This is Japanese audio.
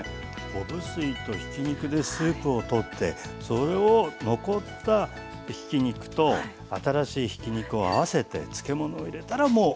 昆布水とひき肉でスープをとってそれを残ったひき肉と新しいひき肉を合わせて漬け物を入れたらもうＯＫ！